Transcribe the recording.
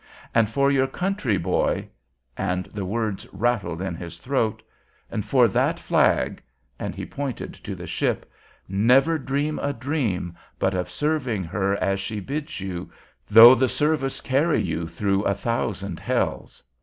And for your country, boy," and the words rattled in his throat, " and for that flag," and he pointed to the ship, "never dream a dream but of serving her as she bids you, though the service carry you through a thousand hells.